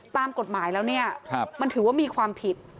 ตามกฎหมายแล้วเนี่ยมันถือว่ามีความผิด